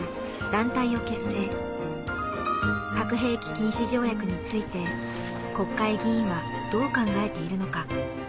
核兵器禁止条約について国会議員はどう考えているのか。